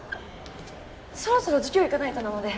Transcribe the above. そろそろ授業行かないとなので。